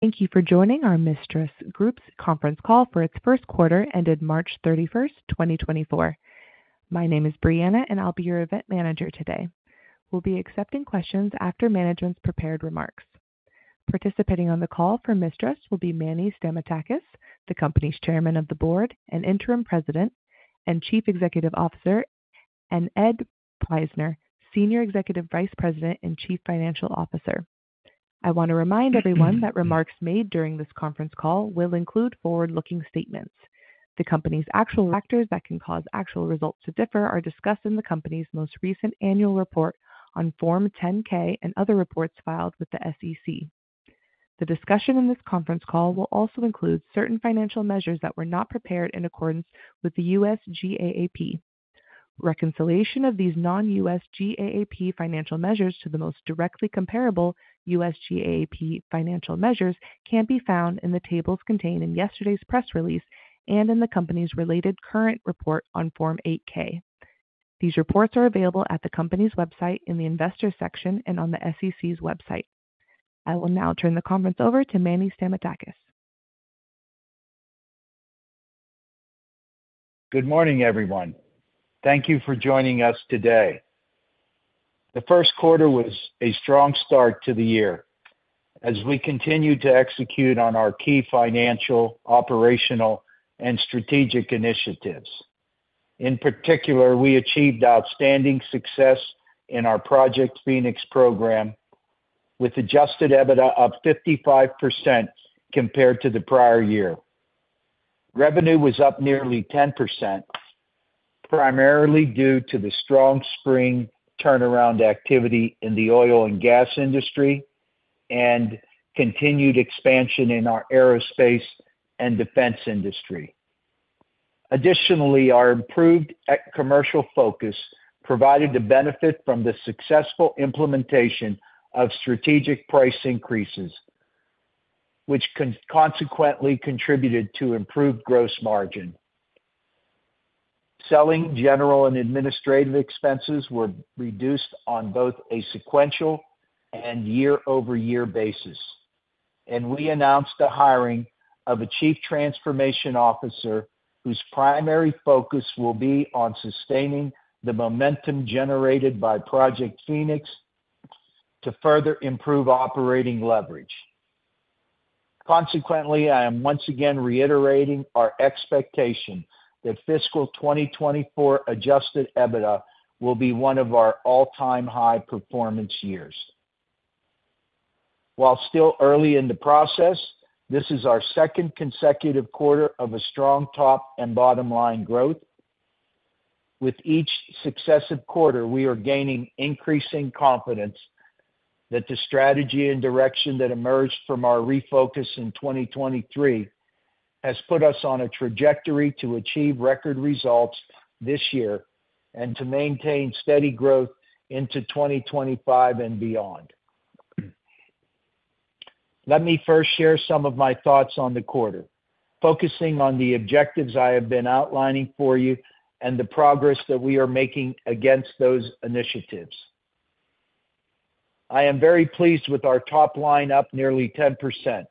Thank you for joining our MISTRAS Group's conference call for its first quarter, ended March 31, 2024. My name is Brianna, and I'll be your event manager today. We'll be accepting questions after management's prepared remarks. Participating on the call for MISTRAS will be Manny Stamatakis, the company's Chairman of the Board and Interim President and Chief Executive Officer, and Ed Prajzner, Senior Executive Vice President and Chief Financial Officer. I want to remind everyone that remarks made during this conference call will include forward-looking statements. The company's factors that can cause actual results to differ are discussed in the company's most recent annual report on Form 10-K and other reports filed with the SEC. The discussion in this conference call will also include certain financial measures that were not prepared in accordance with U.S. GAAP. Reconciliation of these non-U.S. GAAP financial measures to the most directly comparable U.S. GAAP financial measures can be found in the tables contained in yesterday's press release and in the company's related current report on Form 8-K. These reports are available at the company's website, in the Investors section, and on the SEC's website. I will now turn the conference over to Manny Stamatakis. Good morning, everyone. Thank you for joining us today. The first quarter was a strong start to the year as we continued to execute on our key financial, operational, and strategic initiatives. In particular, we achieved outstanding success in our Project Phoenix program, with adjusted EBITDA up 55% compared to the prior year. Revenue was up nearly 10%, primarily due to the strong spring turnaround activity in the oil and gas industry and continued expansion in our aerospace and defense industry. Additionally, our improved commercial focus provided the benefit from the successful implementation of strategic price increases, which consequently contributed to improved gross margin. Selling, general, and administrative expenses were reduced on both a sequential and year-over-year basis, and we announced the hiring of a chief transformation officer, whose primary focus will be on sustaining the momentum generated by Project Phoenix to further improve operating leverage. Consequently, I am once again reiterating our expectation that fiscal 2024 adjusted EBITDA will be one of our all-time high performance years. While still early in the process, this is our second consecutive quarter of a strong top and bottom-line growth. With each successive quarter, we are gaining increasing confidence that the strategy and direction that emerged from our refocus in 2023 has put us on a trajectory to achieve record results this year and to maintain steady growth into 2025 and beyond. Let me first share some of my thoughts on the quarter, focusing on the objectives I have been outlining for you and the progress that we are making against those initiatives. I am very pleased with our top line, up nearly 10%,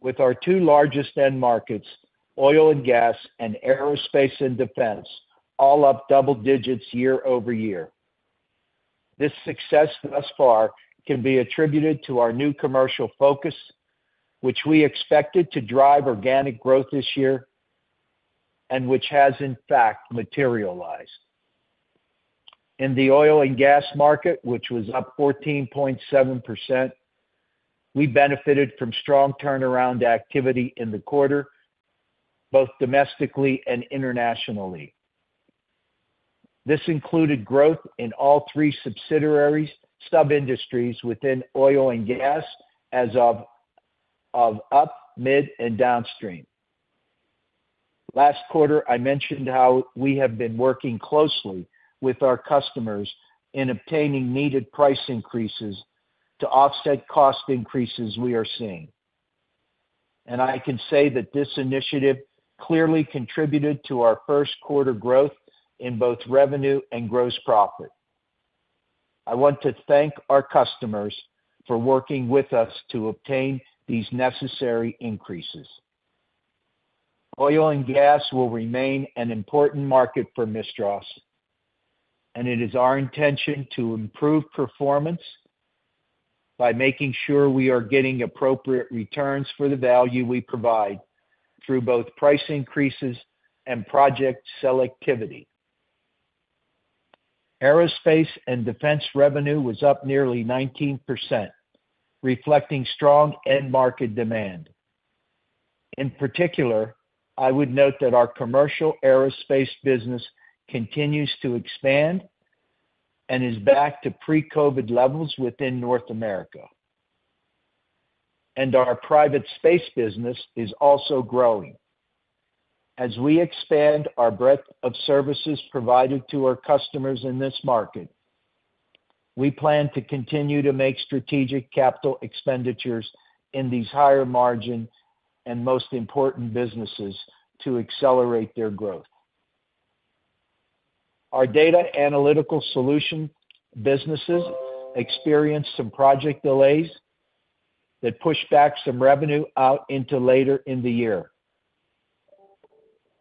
with our two largest end markets, oil and gas and aerospace and defense, all up double digits year-over-year. This success thus far can be attributed to our new commercial focus, which we expected to drive organic growth this year and which has in fact materialized. In the oil and gas market, which was up 14.7%, we benefited from strong turnaround activity in the quarter, both domestically and internationally. This included growth in all three sub-industries within oil and gas: upstream, midstream, and downstream. Last quarter, I mentioned how we have been working closely with our customers in obtaining needed price increases to offset cost increases we are seeing. I can say that this initiative clearly contributed to our first quarter growth in both revenue and gross profit. I want to thank our customers for working with us to obtain these necessary increases. Oil and gas will remain an important market for MISTRAS, and it is our intention to improve performance by making sure we are getting appropriate returns for the value we provide through both price increases and project selectivity. Aerospace and defense revenue was up nearly 19%, reflecting strong end-market demand. In particular, I would note that our commercial aerospace business continues to expand and is back to pre-COVID levels within North America. Our private space business is also growing. As we expand our breadth of services provided to our customers in this market, we plan to continue to make strategic capital expenditures in these higher-margin and most important businesses to accelerate their growth. Our data analytical solution businesses experienced some project delays that pushed back some revenue out into later in the year.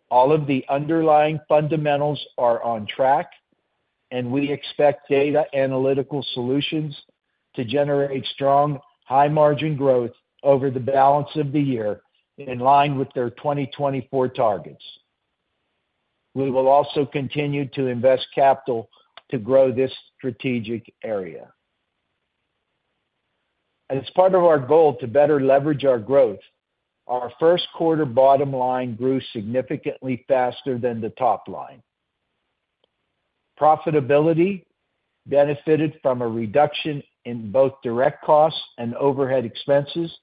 All of the underlying fundamentals are on track, and we expect Data Analytical Solutions to generate strong, high-margin growth over the balance of the year, in line with their 2024 targets. We will also continue to invest capital to grow this strategic area. As part of our goal to better leverage our growth, our first quarter bottom line grew significantly faster than the top line. Profitability benefited from a reduction in both direct costs and overhead expenses,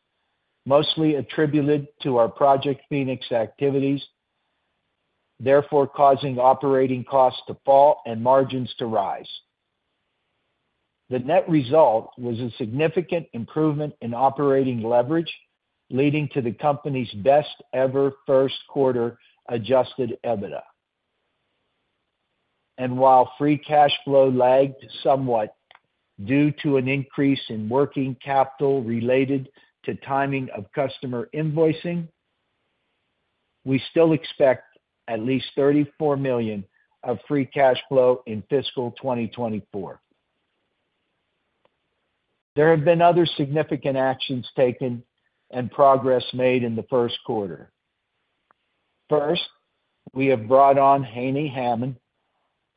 mostly attributed to our Project Phoenix activities, therefore causing operating costs to fall and margins to rise. The net result was a significant improvement in operating leverage, leading to the company's best-ever first quarter Adjusted EBITDA. And while Free Cash Flow lagged somewhat due to an increase in working capital related to timing of customer invoicing, we still expect at least $34 million of Free Cash Flow in fiscal 2024. There have been other significant actions taken and progress made in the first quarter. First, we have brought on Hani Hammad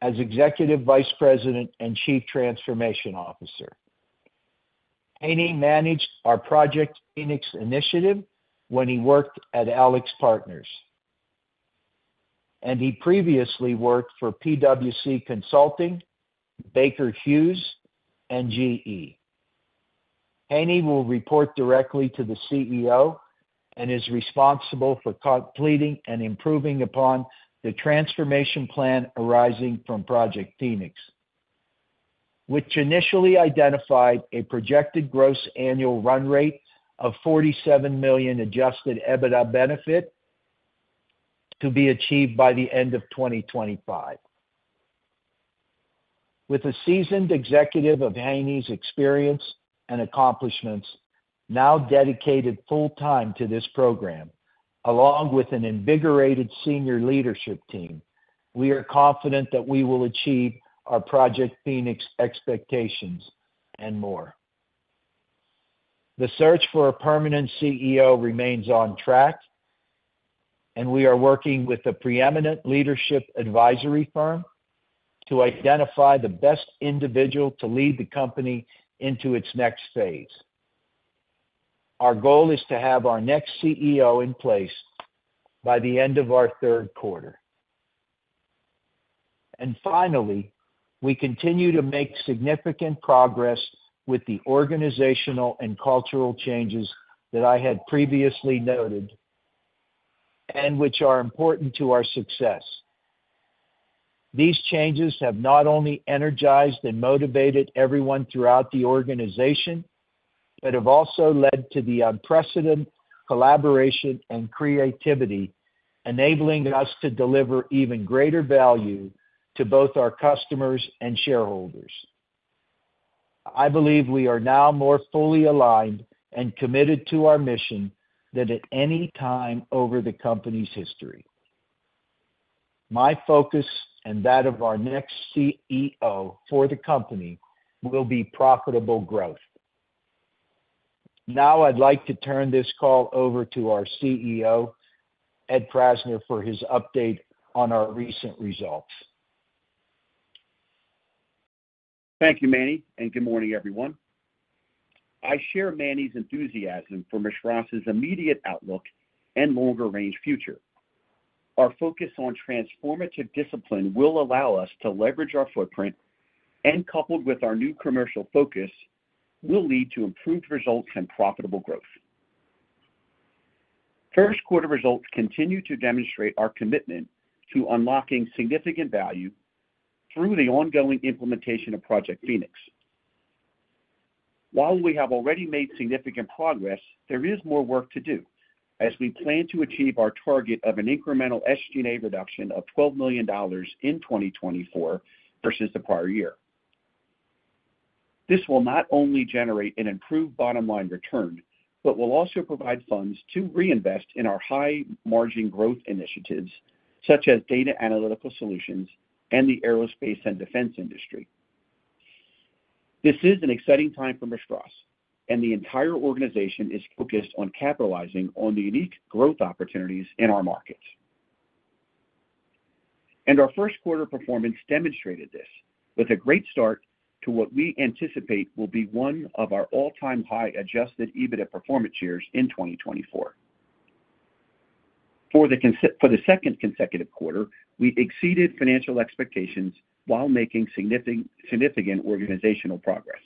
as Executive Vice President and Chief Transformation Officer. Hani managed our Project Phoenix initiative when he worked at AlixPartners, and he previously worked for PwC Consulting, Baker Hughes, and GE. Hany will report directly to the CEO and is responsible for completing and improving upon the transformation plan arising from Project Phoenix, which initially identified a projected gross annual run rate of $47 million Adjusted EBITDA benefit to be achieved by the end of 2025. With a seasoned executive of Hany's experience and accomplishments now dedicated full time to this program, along with an invigorated senior leadership team, we are confident that we will achieve our Project Phoenix expectations and more. The search for a permanent CEO remains on track, and we are working with the preeminent leadership advisory firm to identify the best individual to lead the company into its next phase. Our goal is to have our next CEO in place by the end of our third quarter. Finally, we continue to make significant progress with the organizational and cultural changes that I had previously noted and which are important to our success. These changes have not only energized and motivated everyone throughout the organization, but have also led to the unprecedented collaboration and creativity, enabling us to deliver even greater value to both our customers and shareholders. I believe we are now more fully aligned and committed to our mission than at any time over the company's history. My focus, and that of our next CEO for the company, will be profitable growth. Now I'd like to turn this call over to our CEO, Ed Prajzner, for his update on our recent results. Thank you, Manny, and good morning, everyone. I share Manny's enthusiasm for MISTRAS' immediate outlook and longer-range future. Our focus on transformative discipline will allow us to leverage our footprint, and coupled with our new commercial focus, will lead to improved results and profitable growth. First quarter results continue to demonstrate our commitment to unlocking significant value through the ongoing implementation of Project Phoenix. While we have already made significant progress, there is more work to do as we plan to achieve our target of an incremental SG&A reduction of $12 million in 2024 versus the prior year. This will not only generate an improved bottom-line return, but will also provide funds to reinvest in our high-margin growth initiatives, such as data analytical solutions and the aerospace and defense industry. This is an exciting time for MISTRAS, and the entire organization is focused on capitalizing on the unique growth opportunities in our markets. Our first quarter performance demonstrated this with a great start to what we anticipate will be one of our all-time high Adjusted EBITDA performance years in 2024. For the second consecutive quarter, we exceeded financial expectations while making significant organizational progress.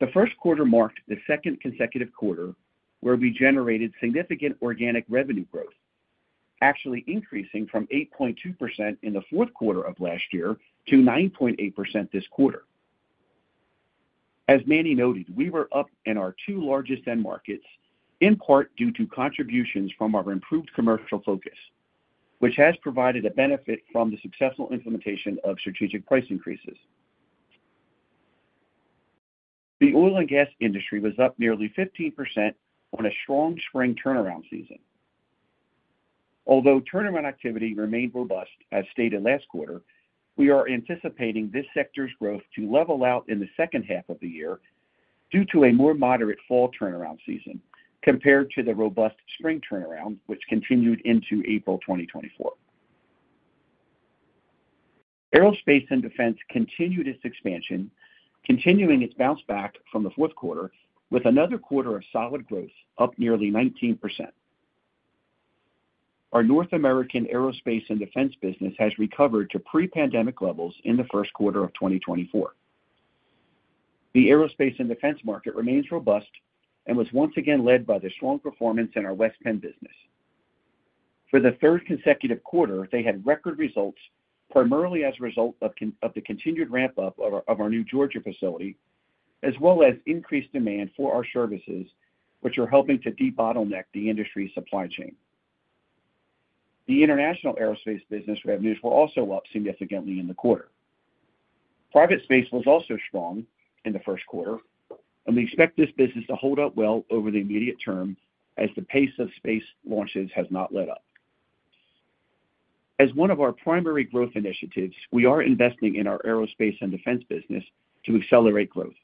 The first quarter marked the second consecutive quarter where we generated significant organic revenue growth, actually increasing from 8.2% in the fourth quarter of last year to 9.8% this quarter. As Manny noted, we were up in our two largest end markets, in part due to contributions from our improved commercial focus, which has provided a benefit from the successful implementation of strategic price increases. The oil and gas industry was up nearly 15% on a strong spring turnaround season. Although turnaround activity remained robust, as stated last quarter, we are anticipating this sector's growth to level out in the second half of the year due to a more moderate fall turnaround season compared to the robust spring turnaround, which continued into April 2024. Aerospace and Defense continued its expansion, continuing its bounce back from the fourth quarter with another quarter of solid growth, up nearly 19%. Our North American Aerospace and Defense business has recovered to pre-pandemic levels in the first quarter of 2024. The aerospace and defense market remains robust and was once again led by the strong performance in our West Penn business. For the third consecutive quarter, they had record results, primarily as a result of the continued ramp-up of our new Georgia facility, as well as increased demand for our services, which are helping to debottleneck the industry supply chain. The international aerospace business revenues were also up significantly in the quarter. Private space was also strong in the first quarter, and we expect this business to hold up well over the immediate term as the pace of space launches has not let up. As one of our primary growth initiatives, we are investing in our aerospace and defense business to accelerate growth,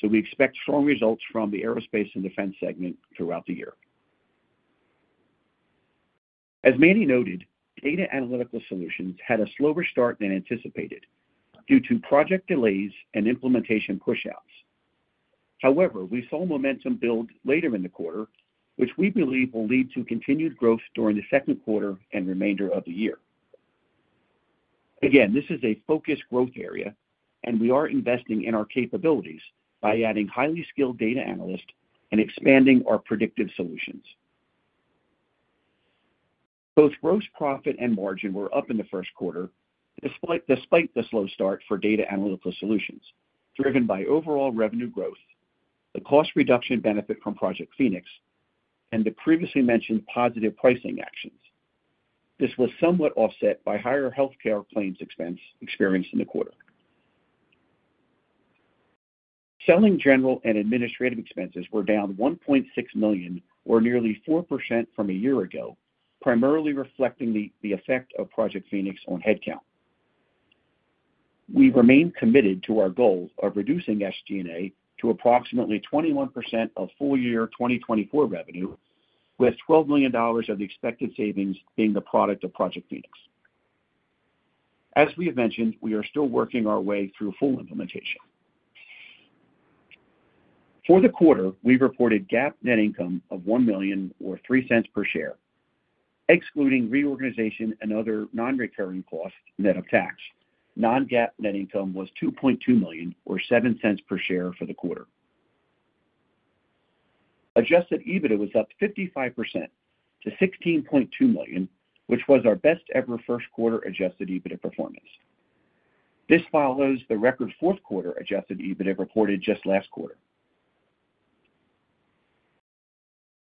so we expect strong results from the aerospace and defense segment throughout the year. As Manny noted, Data Analytical Solutions had a slower start than anticipated due to project delays and implementation pushouts. However, we saw momentum build later in the quarter, which we believe will lead to continued growth during the second quarter and remainder of the year. Again, this is a focused growth area, and we are investing in our capabilities by adding highly skilled data analysts and expanding our predictive solutions. Both gross profit and margin were up in the first quarter, despite the slow start for Data Analytical Solutions, driven by overall revenue growth, the cost reduction benefit from Project Phoenix, and the previously mentioned positive pricing actions. This was somewhat offset by higher healthcare claims expense experienced in the quarter. Selling general and administrative expenses were down $1.6 million, or nearly 4% from a year ago, primarily reflecting the effect of Project Phoenix on headcount. We remain committed to our goal of reducing SG&A to approximately 21% of full year 2024 revenue, with $12 million of the expected savings being the product of Project Phoenix. As we have mentioned, we are still working our way through full implementation. For the quarter, we reported GAAP net income of $1 million, or $0.03 per share, excluding reorganization and other non-recurring costs net of tax. Non-GAAP net income was $2.2 million, or $0.07 per share for the quarter. Adjusted EBITDA was up 55% to $16.2 million, which was our best ever first quarter adjusted EBITDA performance. This follows the record fourth quarter adjusted EBITDA reported just last quarter.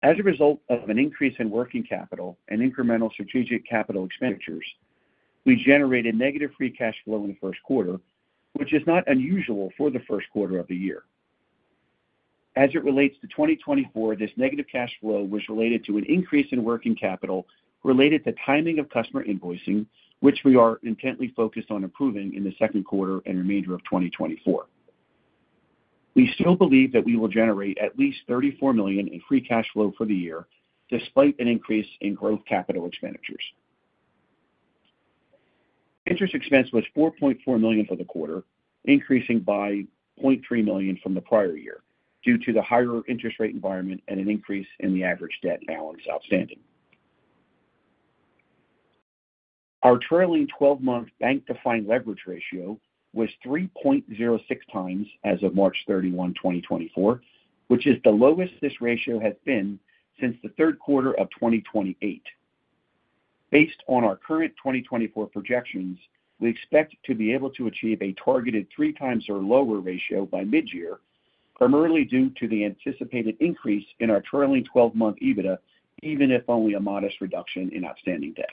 As a result of an increase in working capital and incremental strategic capital expenditures, we generated negative free cash flow in the first quarter, which is not unusual for the first quarter of the year. As it relates to 2024, this negative cash flow was related to an increase in working capital related to timing of customer invoicing, which we are intently focused on improving in the second quarter and remainder of 2024. We still believe that we will generate at least $34 million in free cash flow for the year, despite an increase in growth capital expenditures. Interest expense was $4.4 million for the quarter, increasing by $0.3 million from the prior year, due to the higher interest rate environment and an increase in the average debt balance outstanding. Our trailing twelve-month bank-defined leverage ratio was 3.06x as of March 31, 2024, which is the lowest this ratio has been since the third quarter of [2018]. Based on our current 2024 projections, we expect to be able to achieve a targeted 3x or lower ratio by mid-year, primarily due to the anticipated increase in our trailing 12-month EBITDA, even if only a modest reduction in outstanding debt.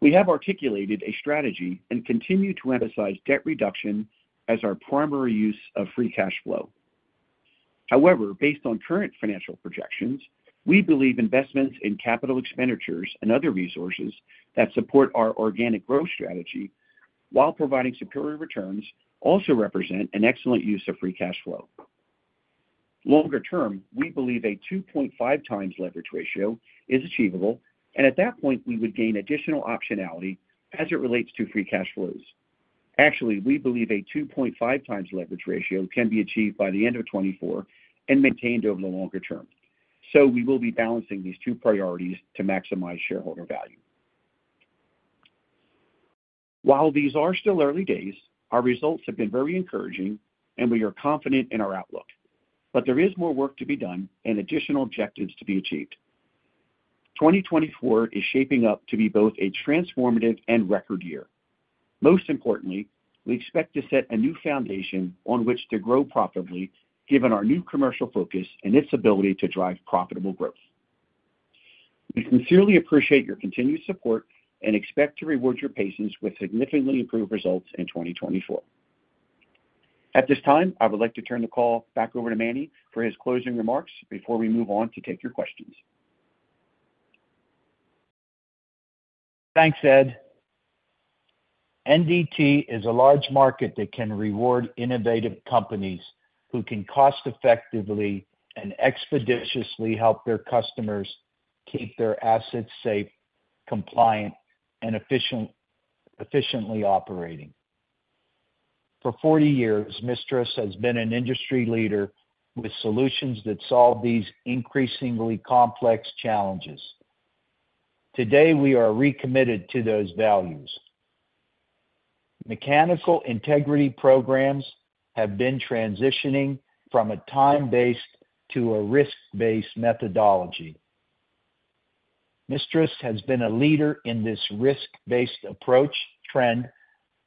We have articulated a strategy and continue to emphasize debt reduction as our primary use of free cash flow. However, based on current financial projections, we believe investments in capital expenditures and other resources that support our organic growth strategy while providing superior returns, also represent an excellent use of free cash flow. Longer-term, we believe a 2.5x leverage ratio is achievable, and at that point, we would gain additional optionality as it relates to free cash flows. Actually, we believe a 2.5x leverage ratio can be achieved by the end of 2024 and maintained over the longer-term. So we will be balancing these two priorities to maximize shareholder value. While these are still early days, our results have been very encouraging, and we are confident in our outlook. But there is more work to be done and additional objectives to be achieved. 2024 is shaping up to be both a transformative and record year. Most importantly, we expect to set a new foundation on which to grow profitably, given our new commercial focus and its ability to drive profitable growth, We sincerely appreciate your continued support and expect to reward your patience with significantly improved results in 2024. At this time, I would like to turn the call back over to Manny for his closing remarks before we move on to take your questions. Thanks, Ed. NDT is a large market that can reward innovative companies who can cost effectively and expeditiously help their customers keep their assets safe, compliant, and efficiently operating. For 40 years, MISTRAS has been an industry leader with solutions that solve these increasingly complex challenges. Today, we are recommitted to those values. Mechanical integrity programs have been transitioning from a time-based to a risk-based methodology. MISTRAS has been a leader in this risk-based approach trend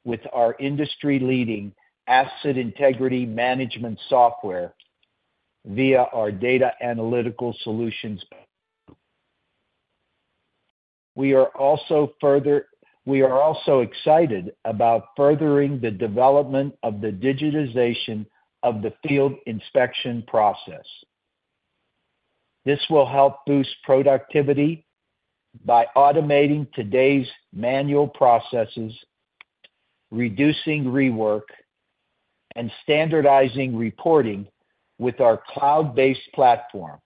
with our industry-leading asset integrity management software via our Data Analytical Solutions. We are also excited about furthering the development of the digitization of the field inspection process. This will help boost productivity by automating today's manual processes, reducing rework, and standardizing reporting with our cloud-based platform.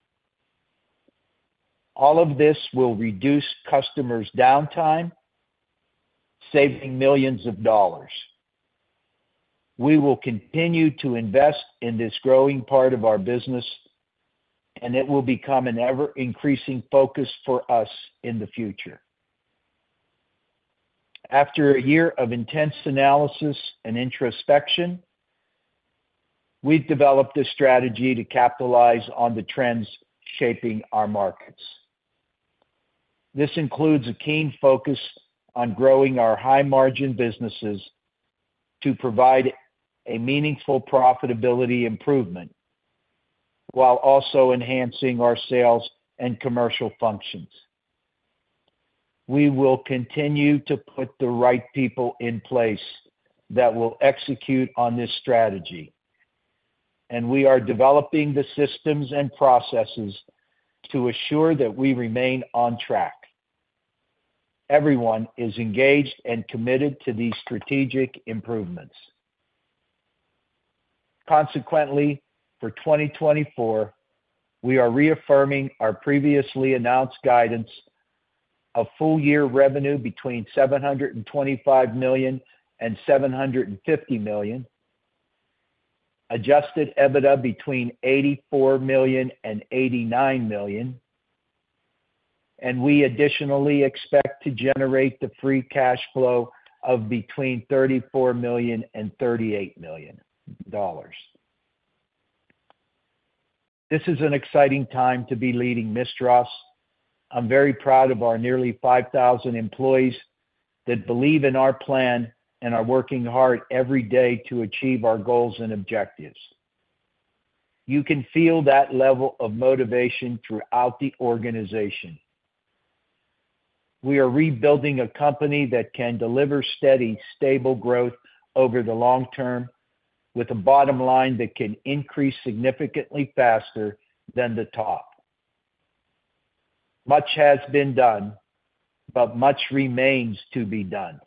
All of this will reduce customers' downtime, saving millions of dollars. We will continue to invest in this growing part of our business, and it will become an ever-increasing focus for us in the future. After a year of intense analysis and introspection, we've developed a strategy to capitalize on the trends shaping our markets. This includes a keen focus on growing our high-margin businesses to provide a meaningful profitability improvement while also enhancing our sales and commercial functions. We will continue to put the right people in place that will execute on this strategy, and we are developing the systems and processes to assure that we remain on track. Everyone is engaged and committed to these strategic improvements. Consequently, for 2024, we are reaffirming our previously announced guidance of full year revenue between $725 million and $750 million, Adjusted EBITDA between $84 million and $89 million, and we additionally expect to generate free cash flow of between $34 million and $38 million. This is an exciting time to be leading MISTRAS. I'm very proud of our nearly 5,000 employees that believe in our plan and are working hard every day to achieve our goals and objectives. You can feel that level of motivation throughout the organization. We are rebuilding a company that can deliver steady, stable growth over the long-term, with a bottom line that can increase significantly faster than the top. Much has been done, but much remains to be done.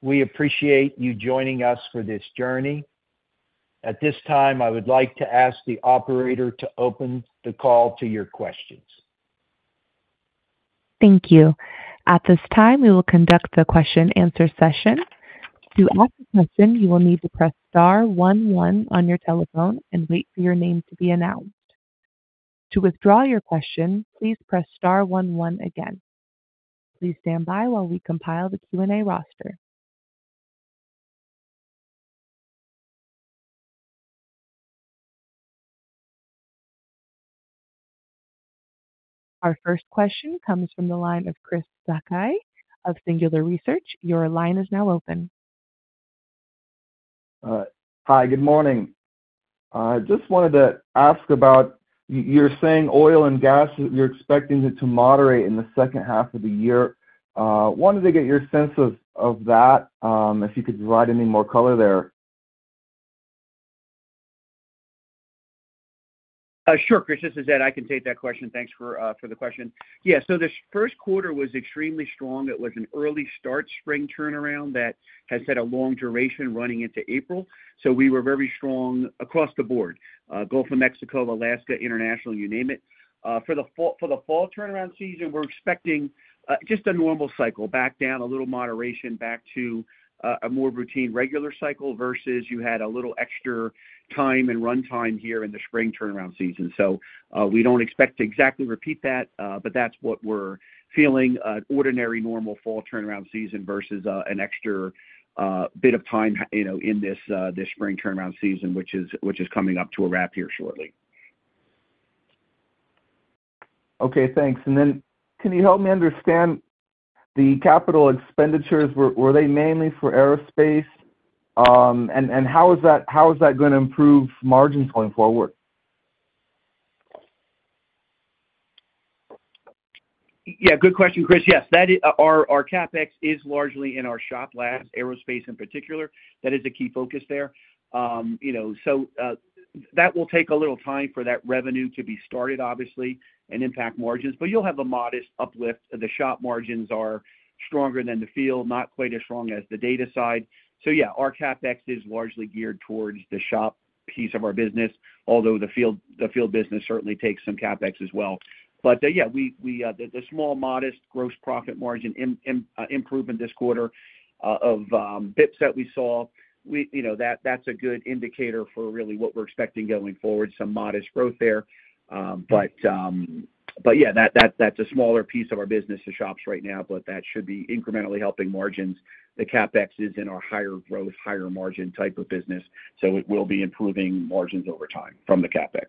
We appreciate you joining us for this journey. At this time, I would like to ask the operator to open the call to your questions. Thank you. At this time, we will conduct the question-and-answer session. To ask a question, you will need to press star one one on your telephone and wait for your name to be announced. To withdraw your question, please press star one one again. Please stand by while we compile the Q&A roster. Our first question comes from the line of Chris Sakai of Singular Research. Your line is now open. Hi, good morning. I just wanted to ask about, you're saying oil and gas, you're expecting it to moderate in the second half of the year. Wanted to get your sense of that, if you could provide any more color there. Sure, Chris. This is Ed. I can take that question. Thanks for the question. Yeah, so this first quarter was extremely strong. It was an early start spring turnaround that has had a long duration running into April, so we were very strong across the board. Gulf of Mexico, Alaska, international, you name it. For the fall turnaround season, we're expecting just a normal cycle, back down, a little moderation, back to a more routine, regular cycle, versus you had a little extra time and runtime here in the spring turnaround season. So, we don't expect to exactly repeat that, but that's what we're feeling, an ordinary, normal fall turnaround season versus an extra bit of time, you know, in this spring turnaround season, which is coming up to a wrap here shortly. Okay, thanks. And then can you help me understand the capital expenditures? Were they mainly for aerospace? And how is that gonna improve margins going forward? Yeah, good question, Chris. Yes, that is. Our CapEx is largely in our shop labs, aerospace in particular. That is a key focus there. You know, so that will take a little time for that revenue to be started, obviously, and impact margins, but you'll have a modest uplift. The shop margins are stronger than the field, not quite as strong as the data side. So yeah, our CapEx is largely geared towards the shop piece of our business, although the field business certainly takes some CapEx as well. But, yeah, the small modest gross profit margin improvement this quarter of basis points that we saw, you know, that's a good indicator for really what we're expecting going forward, some modest growth there. But yeah, that's a smaller piece of our business, the shops right now, but that should be incrementally helping margins. The CapEx is in our higher growth, higher margin type of business, so it will be improving margins over time from the CapEx.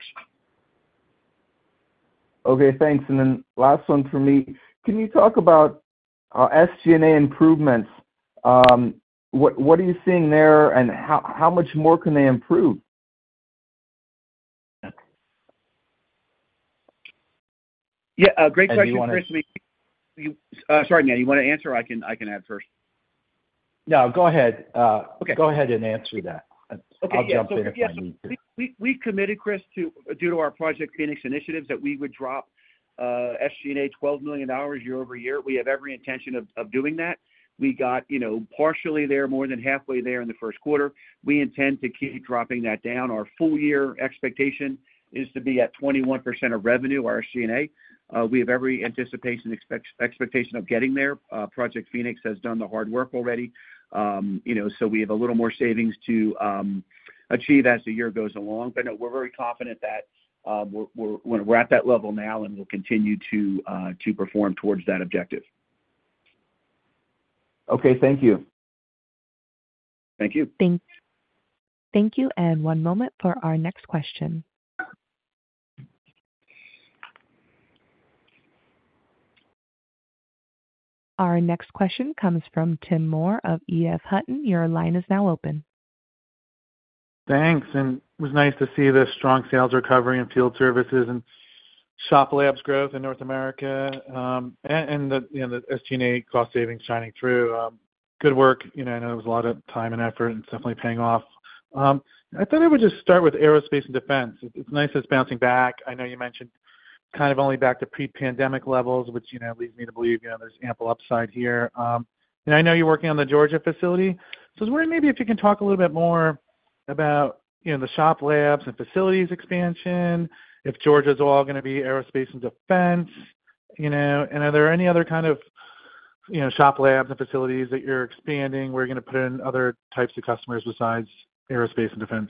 Okay, thanks. And then last one for me. Can you talk about SG&A improvements? What are you seeing there, and how much more can they improve? Yeah, great question, Chris. Sorry, you wanna answer, or I can, I can answer first? No, go ahead and answer that. I'll jump in if I need to. We committed, Chris, due to our Project Phoenix initiatives, that we would drop SG&A $12 million year-over-year. We have every intention of doing that. We got, you know, partially there, more than halfway there in the first quarter. We intend to keep dropping that down. Our full year expectation is to be at 21% of revenue, our SG&A. We have every anticipation expectation of getting there. Project Phoenix has done the hard work already. You know, so we have a little more savings to achieve as the year goes along. But no, we're very confident that we're at that level now, and we'll continue to perform towards that objective. Okay. Thank you. Thank you. Thanks. Thank you, and one moment for our next question. Our next question comes from Tim Moore of EF Hutton. Your line is now open. Thanks, and it was nice to see the strong sales recovery in field services and shop labs growth in North America, and the, you know, the SG&A cost savings shining through, good work. You know, I know it was a lot of time and effort, and it's definitely paying off. I thought I would just start with aerospace and defense. It's nice it's bouncing back. I know you mentioned kind of only back to pre-pandemic levels, which, you know, leads me to believe, you know, there's ample upside here. And I know you're working on the Georgia facility, so I was wondering maybe if you can talk a little bit more about, you know, the shop labs and facilities expansion, if Georgia's all gonna be aerospace and defense, you know, and are there any other kind of, you know, shop labs and facilities that you're expanding, where you're gonna put in other types of customers besides aerospace and defense?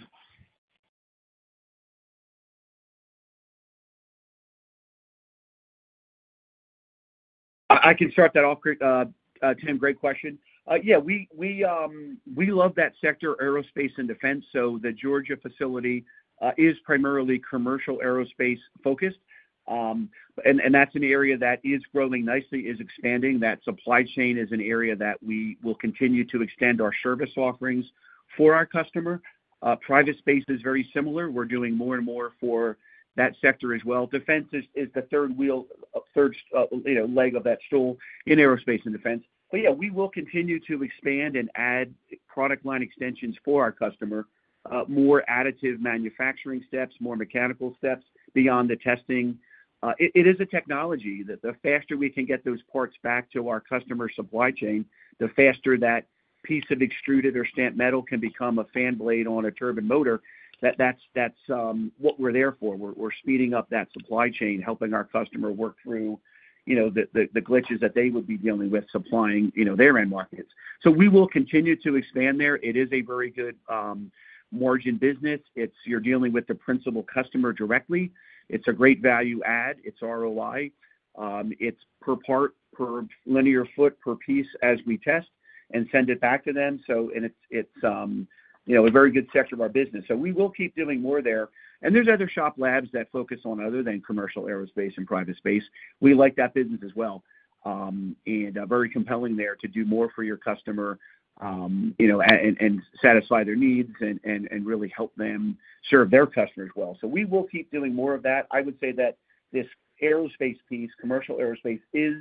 I can start that off, Tim, great question. Yeah, we love that sector, aerospace and defense, so the Georgia facility is primarily commercial aerospace focused. And that's an area that is growing nicely, is expanding. That supply chain is an area that we will continue to extend our service offerings for our customer. Private space is very similar. We're doing more and more for that sector as well. Defense is the third wheel, third, you know, leg of that stool in aerospace and defense. But yeah, we will continue to expand and add product line extensions for our customer, more additive manufacturing steps, more mechanical steps beyond the testing. It is a technology that the faster we can get those parts back to our customer supply chain, the faster that piece of extruded or stamped metal can become a fan blade on a turbine motor, that's what we're there for. We're speeding up that supply chain, helping our customer work through, you know, the glitches that they would be dealing with supplying, you know, their end markets. So we will continue to expand there. It is a very good margin business. It's, you're dealing with the principal customer directly. It's a great value add. It's ROI. It's per part, per linear foot, per piece as we test and send it back to them. So, and it's, you know, a very good sector of our business, so we will keep doing more there. There's other shop labs that focus on other than commercial aerospace and private space. We like that business as well. And very compelling there to do more for your customer, you know, and satisfy their needs and really help them serve their customers well. So we will keep doing more of that. I would say that this aerospace piece, commercial aerospace, is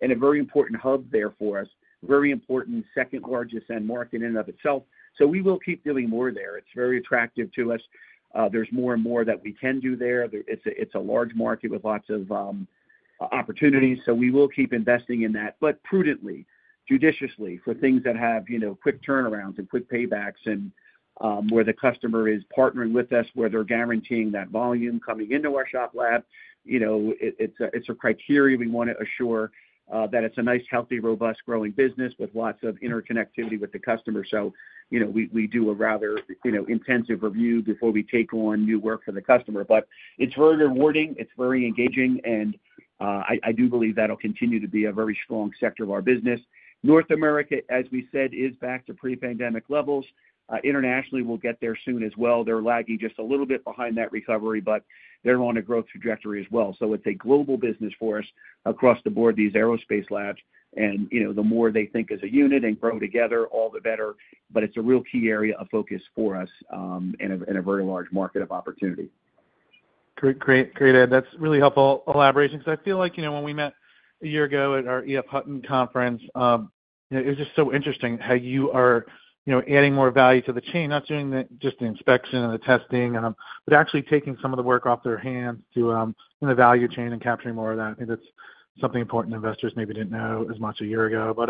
in a very important hub there for us, very important, second largest end market in and of itself. So we will keep doing more there. It's very attractive to us. There's more and more that we can do there. It's a large market with lots of opportunities, so we will keep investing in that, but prudently, judiciously, for things that have, you know, quick turnarounds and quick paybacks and where the customer is partnering with us, where they're guaranteeing that volume coming into our shop lab. You know, it, it's a, it's a criteria we wanna assure that it's a nice, healthy, robust, growing business with lots of interconnectivity with the customer. So, you know, we, we do a rather, you know, intensive review before we take on new work for the customer. But it's very rewarding, it's very engaging, and I do believe that'll continue to be a very strong sector of our business. North America, as we said, is back to pre-pandemic levels. Internationally, we'll get there soon as well. They're lagging just a little bit behind that recovery, but they're on a growth trajectory as well. So it's a global business for us across the board, these aerospace labs, and, you know, the more they think as a unit and grow together, all the better, but it's a real key area of focus for us, and a very large market of opportunity. Great, Ed. That's really helpful elaboration, because I feel like, you know, when we met a year ago at our EF Hutton conference, it was just so interesting how you are, you know, adding more value to the chain, not doing the, just the inspection and the testing and, but actually taking some of the work off their hands to, in the value chain and capturing more of that. I think that's something important investors maybe didn't know as much a year ago. But,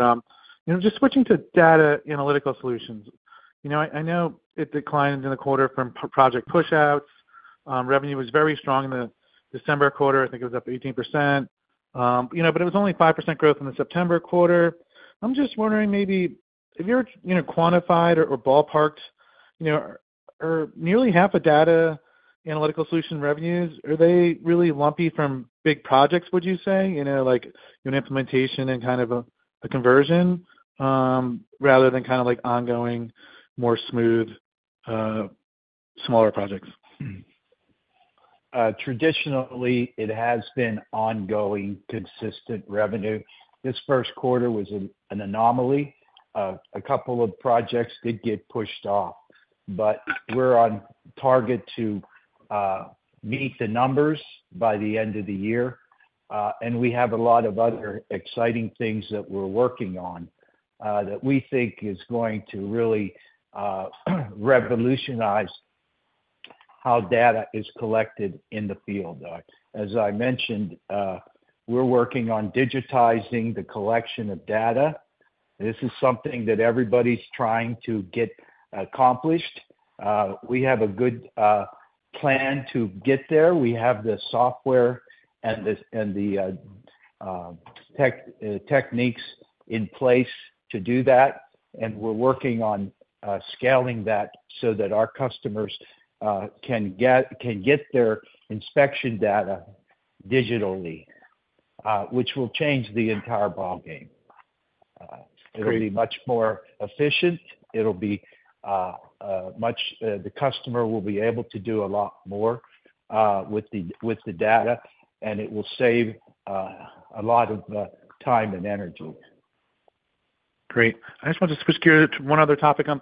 you know, just switching to Data Analytical Solutions, you know, I, I know it declined in the quarter from project pushouts. Revenue was very strong in the December quarter. I think it was up 18%. You know, but it was only 5% growth in the September quarter. I'm just wondering, maybe if you're, you know, quantified or, or ballparked, you know, are nearly half of Data Analytical Solutions revenues, are they really lumpy from big projects, would you say? You know, like, an implementation and kind of a conversion, rather than kind of like ongoing, more smooth, smaller projects? Traditionally, it has been ongoing, consistent revenue. This first quarter was an anomaly. A couple of projects did get pushed off, but we're on target to meet the numbers by the end of the year. And we have a lot of other exciting things that we're working on that we think is going to really revolutionize how data is collected in the field. As I mentioned, we're working on digitizing the collection of data. This is something that everybody's trying to get accomplished. We have a good plan to get there. We have the software and the techniques in place to do that, and we're working on scaling that so that our customers can get their inspection data digitally, which will change the entire ballgame. It'll be much more efficient. It'll be the customer will be able to do a lot more with the data, and it will save a lot of time and energy. Great. I just want to just get to one other topic, you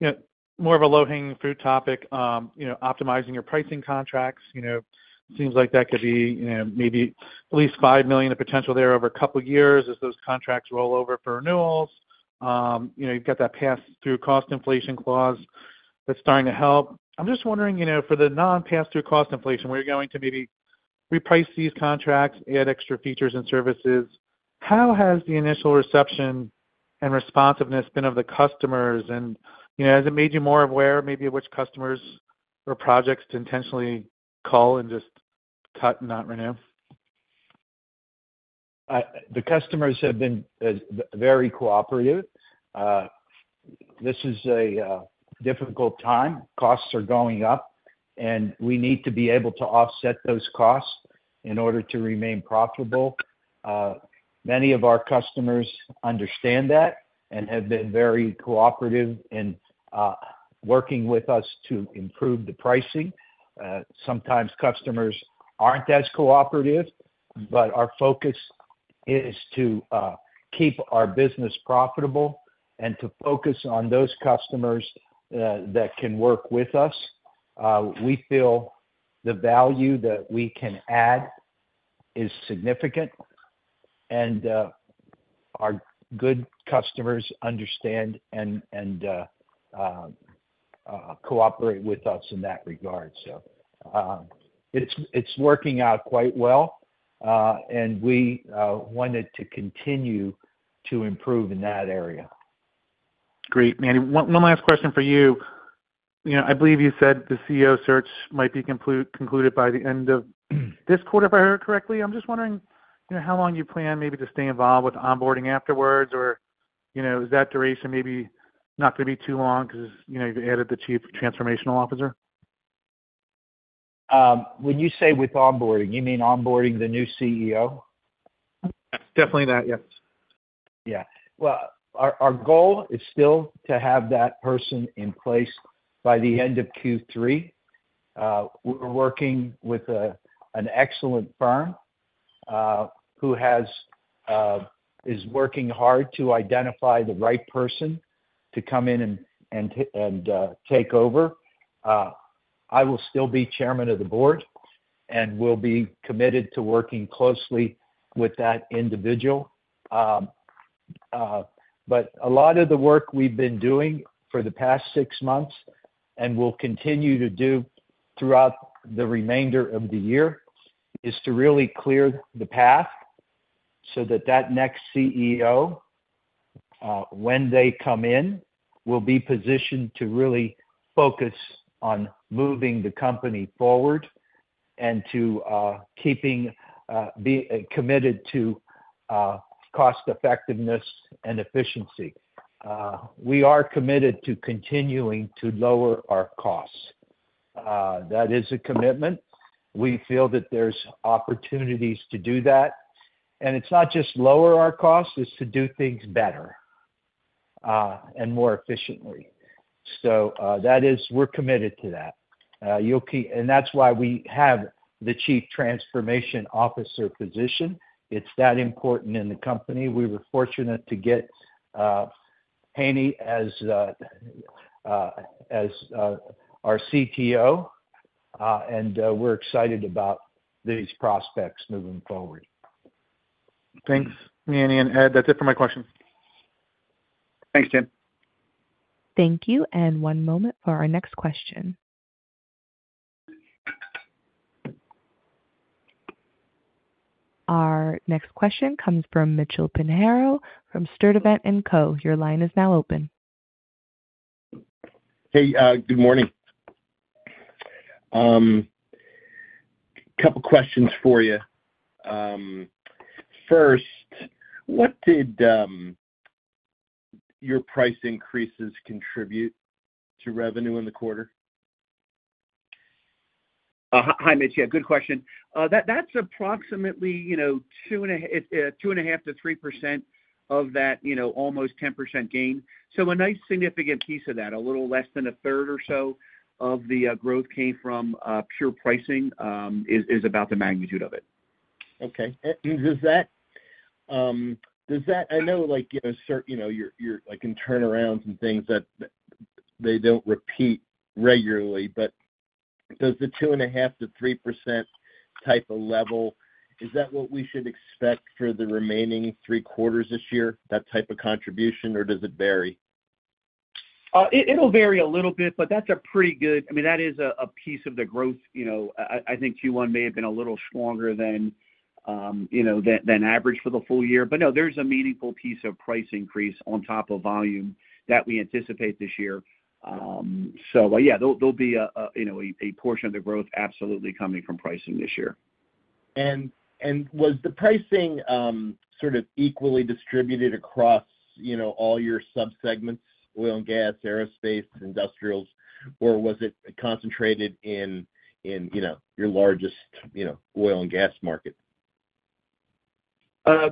know, more of a low-hanging fruit topic. You know, optimizing your pricing contracts, you know, seems like that could be, you know, maybe at least $5 million of potential there over a couple years as those contracts roll over for renewals. You know, you've got that pass-through cost inflation clause that's starting to help. I'm just wondering, you know, for the non-pass-through cost inflation, where you're going to maybe reprice these contracts, add extra features and services, how has the initial reception and responsiveness been of the customers? And, you know, has it made you more aware, maybe, of which customers or projects to intentionally call and just cut and not renew? The customers have been very cooperative. This is a difficult time. Costs are going up, and we need to be able to offset those costs in order to remain profitable. Many of our customers understand that and have been very cooperative in working with us to improve the pricing. Sometimes customers aren't as cooperative, but our focus is to keep our business profitable and to focus on those customers that can work with us. We feel the value that we can add is significant, and our good customers understand and cooperate with us in that regard. So, it's working out quite well, and we wanted to continue to improve in that area. Great, Manny, one last question for you. You know, I believe you said the CEO search might be concluded by the end of this quarter, if I heard correctly. I'm just wondering, you know, how long you plan maybe to stay involved with onboarding afterwards, or, you know, is that duration maybe not going to be too long because, you know, you've added the Chief Transformation Officer? When you say with onboarding, you mean onboarding the new CEO? Definitely that, yes. Yeah. Well, our goal is still to have that person in place by the end of Q3. We're working with an excellent firm who is working hard to identify the right person to come in and take over. I will still be Chairman of the Board and will be committed to working closely with that individual. But a lot of the work we've been doing for the past six months, and will continue to do throughout the remainder of the year, is to really clear the path so that that next CEO, when they come in, will be positioned to really focus on moving the company forward and to be committed to cost effectiveness and efficiency. We are committed to continuing to lower our costs. That is a commitment. We feel that there's opportunities to do that, and it's not just lower our costs, it's to do things better and more efficiently. So, we're committed to that. And that's why we have the Chief Transformation Officer position. It's that important in the company. We were fortunate to get Hany as our CTO, and we're excited about these prospects moving forward. Thanks, Manny and Ed. That's it for my questions. Thanks, Tim. Thank you, and one moment for our next question. Our next question comes from Mitchell Pinheiro from Sturdivant & Co. Your line is now open. Hey, good morning. Couple questions for you. First, what did your price increases contribute to revenue in the quarter? Hi, Mitch. Yeah, good question. That's approximately, you know, 2.5%-3% of that, you know, almost 10% gain. So a nice significant piece of that, a little less than a 1/3 or so of the growth came from pure pricing. Is about the magnitude of it. Okay. I know, like, you know, certain, you know, you're, like, in turnarounds and things that they don't repeat regularly, but does the 2.5%-3% type of level, is that what we should expect for the remaining three quarters this year, that type of contribution, or does it vary? It'll vary a little bit, but that's a pretty good, I mean, that is a piece of the growth, you know, I think Q1 may have been a little stronger than, you know, average for the full year. But no, there's a meaningful piece of price increase on top of volume that we anticipate this year. But yeah, there'll be a, you know, a portion of the growth absolutely coming from pricing this year. Was the pricing sort of equally distributed across, you know, all your subsegments, oil and gas, aerospace, industrials, or was it concentrated in, you know, your largest, you know, oil and gas market?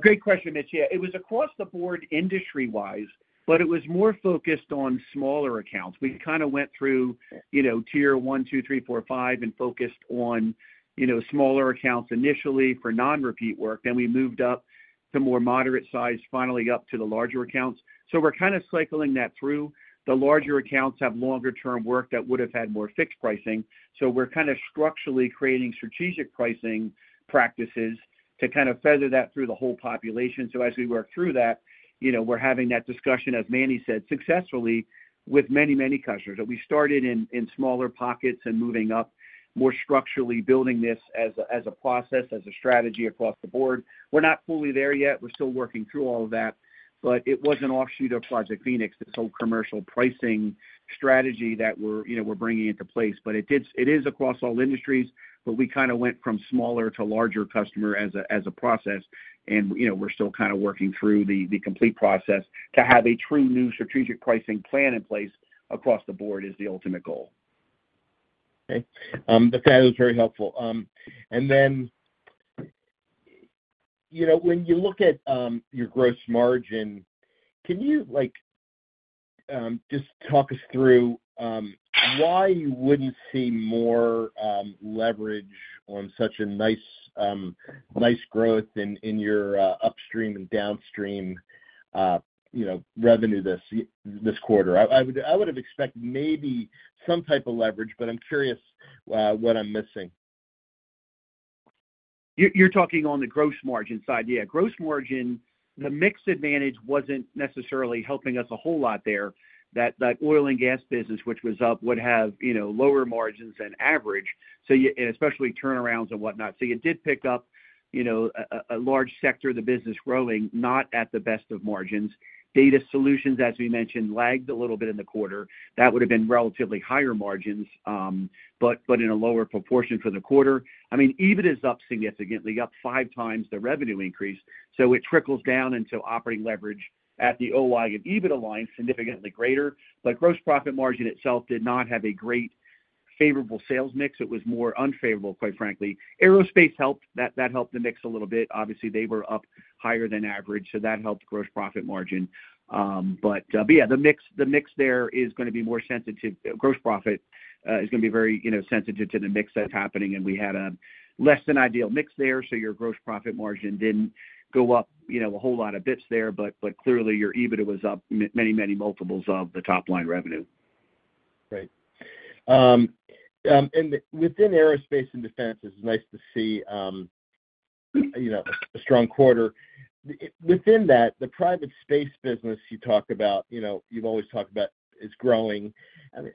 Great question, Mitch. Yeah, it was across the board, industry-wise, but it was more focused on smaller accounts. We kind of went through, you know, Tier 1, 2, 3, 4, 5, and focused on, you know, smaller accounts initially for non-repeat work. Then we moved up to more moderate size, finally up to the larger accounts. So we're kind of cycling that through. The larger accounts have longer-term work that would have had more fixed pricing, so we're kind of structurally creating strategic pricing practices to kind of feather that through the whole population. So as we work through that, you know, we're having that discussion, as Manny said, successfully with many, many customers. That we started in smaller pockets and moving up, more structurally building this as a process, as a strategy across the board. We're not fully there yet. We're still working through all of that, but it was an offshoot of Project Phoenix, this whole commercial pricing strategy that we're, you know, we're bringing into place. But it is across all industries, but we kind of went from smaller to larger customer as a, as a process. And, you know, we're still kind of working through the, the complete process. To have a true new strategic pricing plan in place across the board is the ultimate goal. Okay. That was very helpful. And then, you know, when you look at your gross margin, can you, like, just talk us through why you wouldn't see more leverage on such a nice growth in your upstream and downstream, you know, revenue this quarter? I would have expected maybe some type of leverage, but I'm curious what I'm missing. You're talking on the gross margin side. Yeah, gross margin, the mix advantage wasn't necessarily helping us a whole lot there. That oil and gas business, which was up, would have, you know, lower margins than average, so and especially turnarounds and whatnot. So it did pick up, you know, a large sector of the business growing, not at the best of margins. Data solutions, as we mentioned, lagged a little bit in the quarter. That would have been relatively higher margins, but in a lower proportion for the quarter. I mean, EBIT is up significantly, up 5x the revenue increase, so it trickles down into operating leverage at the OI and EBIT alliance, significantly greater. But gross profit margin itself did not have a great favorable sales mix. It was more unfavorable, quite frankly. Aerospace helped. That helped the mix a little bit. Obviously, they were up higher than average, so that helped gross profit margin. But yeah, the mix, the mix there is gonna be more sensitive. Gross profit is gonna be very, you know, sensitive to the mix that's happening, and we had a less than ideal mix there, so your gross profit margin didn't go up, you know, a whole lot of basis points there, but clearly, your EBIT was up many, many multiples of the top line revenue. Great. And within aerospace and defense, it's nice to see, you know, a strong quarter. Within that, the private space business you talked about, you know, you've always talked about is growing. I mean,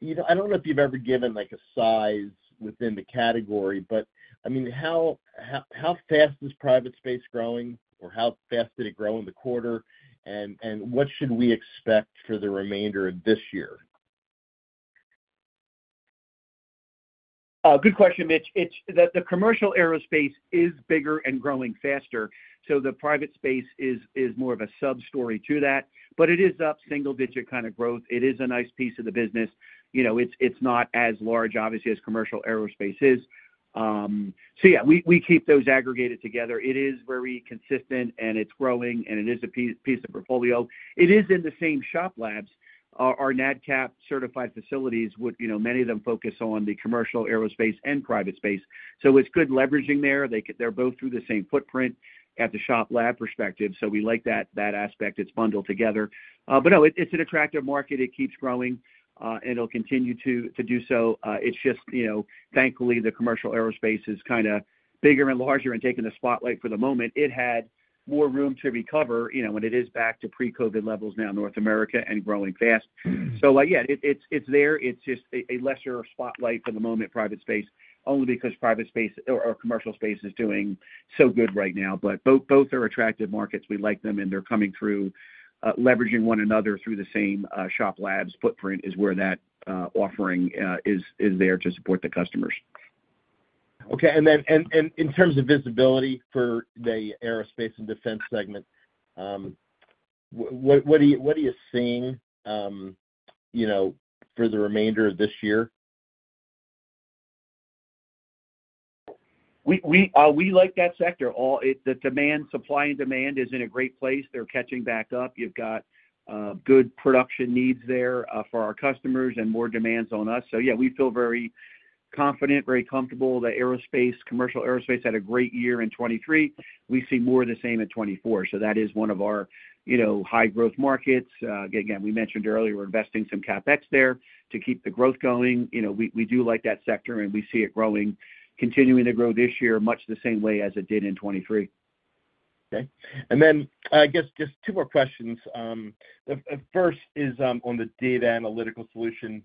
you know, I don't know if you've ever given, like, a size within the category, but, I mean, how fast is private space growing, or how fast did it grow in the quarter? And what should we expect for the remainder of this year? Good question, Mitch. It's the commercial aerospace is bigger and growing faster, so the private space is more of a sub-story to that. But it is up single digit kind of growth. It is a nice piece of the business. You know, it's not as large, obviously, as commercial aerospace is. So yeah, we keep those aggregated together. It is very consistent, and it's growing, and it is a piece of portfolio. It is in the same shop labs. Our NADCAP certified facilities, you know, many of them focus on the commercial aerospace and private space, so it's good leveraging there. They're both through the same footprint at the shop lab perspective, so we like that aspect. It's bundled together. But no, it's an attractive market. It keeps growing, and it'll continue to do so. It's just, you know, thankfully, the commercial aerospace is kind of bigger and larger and taking the spotlight for the moment. It had more room to recover, you know, and it is back to pre-COVID levels now, North America, and growing fast. So, like, yeah, it's there. It's just a lesser spotlight for the moment, private space, only because private space or commercial space is doing so good right now. But both are attractive markets. We like them, and they're coming through, leveraging one another through the same shop labs footprint is where that offering is there to support the customers. Okay. And then in terms of visibility for the aerospace and defense segment, what are you seeing, you know, for the remainder of this year? We like that sector. The supply and demand is in a great place. They're catching back up. You've got good production needs there for our customers and more demands on us. So yeah, we feel very confident, very comfortable that commercial aerospace had a great year in 2023. We see more of the same in 2024, so that is one of our, you know, high growth markets. Again, we mentioned earlier, we're investing some CapEx there to keep the growth going. You know, we do like that sector, and we see it growing, continuing to grow this year, much the same way as it did in 2023. Okay. And then, I guess just two more questions. The first is on the Data Analytical Solutions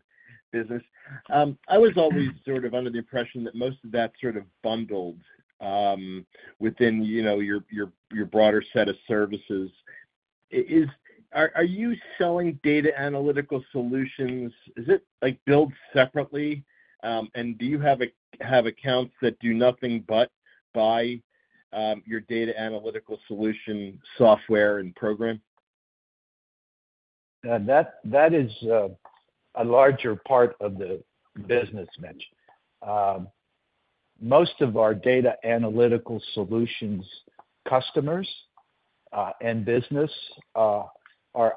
business. I was always sort of under the impression that most of that sort of bundled within, you know, your broader set of services. Are you selling Data Analytical Solutions? Is it, like, billed separately? And do you have accounts that do nothing but buy your Data Analytical Solutions software and program? That is a larger part of the business, Mitch. Most of our Data Analytical Solutions customers and business are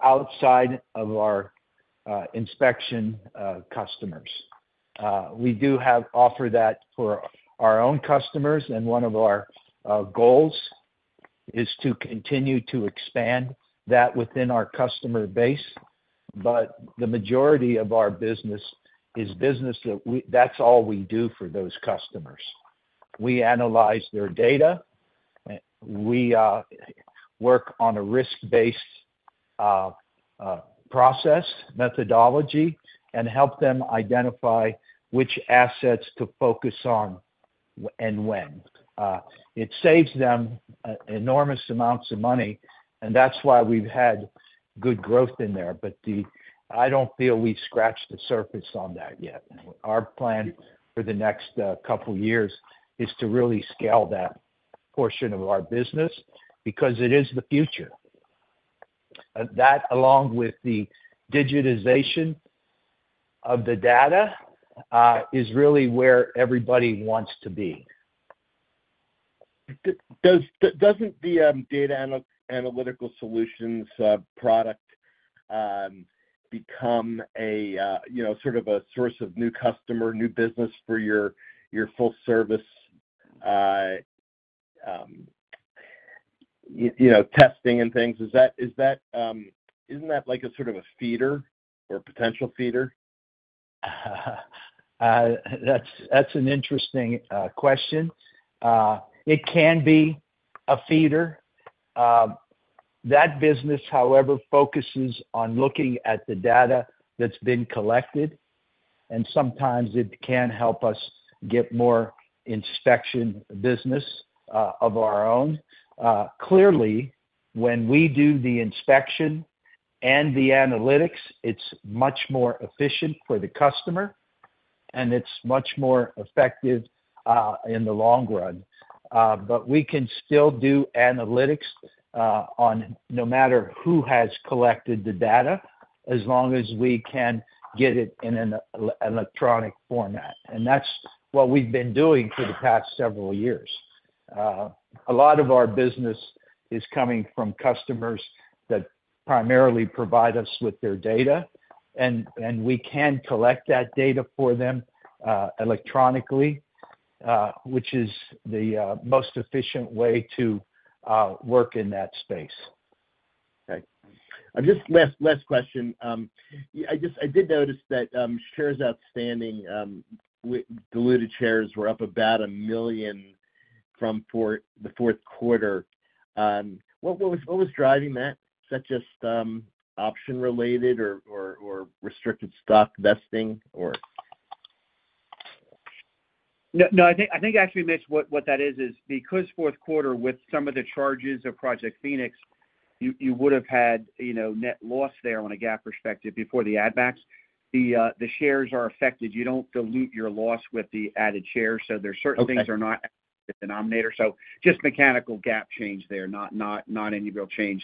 outside of our inspection customers. We do have offered that for our own customers, and one of our goals is to continue to expand that within our customer base, but the majority of our business is business. That's all we do for those customers. We analyze their data, we work on a risk-based process methodology and help them identify which assets to focus on and when. It saves them enormous amounts of money, and that's why we've had good growth in there, but I don't feel we've scratched the surface on that yet. Our plan for the next couple years is to really scale that portion of our business because it is the future. That, along with the digitization of the data, is really where everybody wants to be. Doesn't the Data Analytical Solutions product become a, you know, sort of a source of new customer, new business for your, your full service, you know, testing and things? Is that, isn't that like a sort of a feeder or potential feeder? That's an interesting question. It can be a feeder. That business, however, focuses on looking at the data that's been collected, and sometimes it can help us get more inspection business of our own. Clearly, when we do the inspection and the analytics, it's much more efficient for the customer, and it's much more effective in the long run. But we can still do analytics on no matter who has collected the data, as long as we can get it in an electronic format, and that's what we've been doing for the past several years. A lot of our business is coming from customers that primarily provide us with their data, and we can collect that data for them electronically, which is the most efficient way to work in that space. Okay. And just last question. I just did notice that shares outstanding, diluted shares were up about 1 million from the fourth quarter. What was driving that? Is that just option related or restricted stock vesting? No, no, I think, I think actually, Mitch, what, what that is, is because fourth quarter, with some of the charges of Project Phoenix, you, you would have had, you know, net loss there on a GAAP perspective before the add backs. The, the shares are affected. You don't dilute your loss with the added shares, so there are certain things are not denominator. So just mechanical GAAP change there, not any real change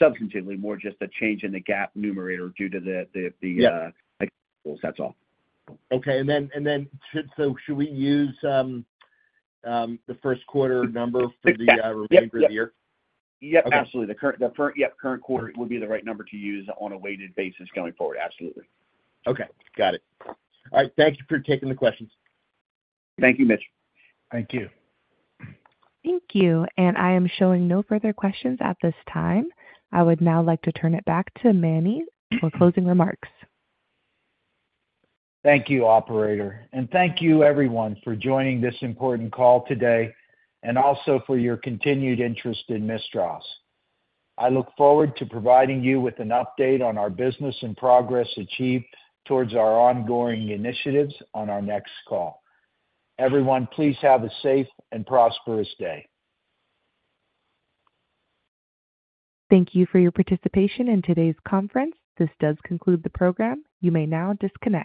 substantively, more just a change in the GAAP numerator, that's all. Okay. And then, so should we use the first quarter number for the remainder of the year? Yep, absolutely. Okay. Yep, current quarter would be the right number to use on a weighted basis going forward. Absolutely. Okay, got it. All right, thank you for taking the questions. Thank you, Mitch. Thank you. Thank you, and I am showing no further questions at this time. I would now like to turn it back to Manny for closing remarks. Thank you, operator, and thank you everyone for joining this important call today, and also for your continued interest in MISTRAS. I look forward to providing you with an update on our business and progress achieved towards our ongoing initiatives on our next call. Everyone, please have a safe and prosperous day. Thank you for your participation in today's conference. This does conclude the program. You may now disconnect.